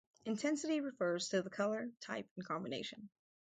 Intensity refers to the color type and combination.